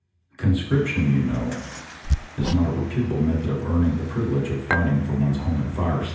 Conscription, you know, is not a reputable method of earning the privilege of fighting for one's home and fireside.